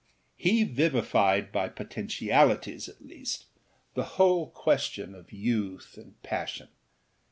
He vivified, by potentialities at least, the whole question of youth and passion.